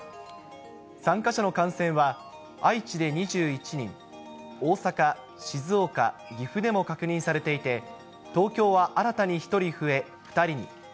参加者の感染は、愛知で２１人、大阪、静岡、岐阜でも確認されていて、東京は新たに１人増え、２人に。